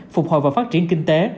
phục hồi vào phát triển kinh tế